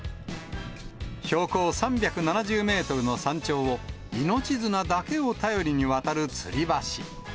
標高３７０メートルの山頂を、命綱だけを頼りに渡るつり橋。